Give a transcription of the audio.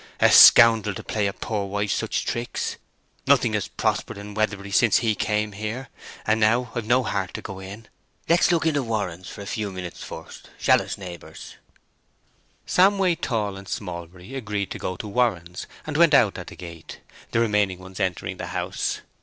A scoundrel to play a poor wife such tricks. Nothing has prospered in Weatherbury since he came here. And now I've no heart to go in. Let's look into Warren's for a few minutes first, shall us, neighbours?" Samway, Tall, and Smallbury agreed to go to Warren's, and went out at the gate, the remaining ones entering the house.